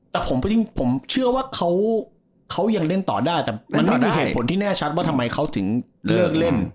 แต่ผมจริงผมเชื่อว่าเขายังเล่นต่อได้แต่มันไม่มีเหตุผลที่แน่ชัดว่าทำไมเขาถึงเลิกเล่น